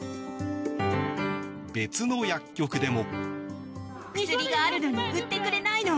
別の薬局でも。